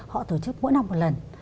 họ tổ chức mỗi năm một lần